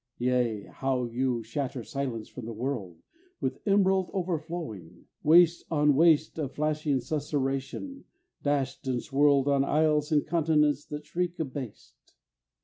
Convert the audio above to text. Yea, how you shatter silence from the world, With emerald overflowing, waste on waste Of flashing susurration, dashed and swirled On isles and continents that shrink abased!